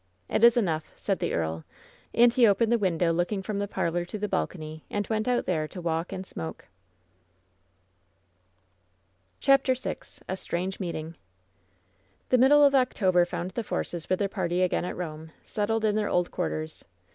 "It is enough," said the earl, and he opened the win dow looking from the parlor to the balcony and went out there to walk and smoke. OHAPTEE VI A STRANGE MEETING The middle of October found the Forces with their party again at Eome, settled in their old quarters.